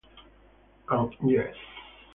And yes.